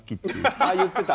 あっ言ってた。